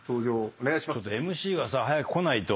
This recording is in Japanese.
ちょっとＭＣがさ早く来ないと。